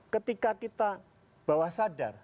ketika kita bawah sadar